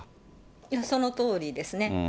いや、そのとおりですね。